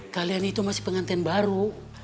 kalian itu masih penganten baru